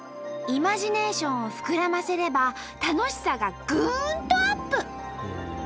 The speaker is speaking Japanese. イマジネーションを膨らませれば楽しさがぐんとアップ！